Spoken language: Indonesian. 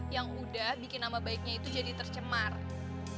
yang udah bikin aba sama umi mau ngasih materi untuk pesantren kilat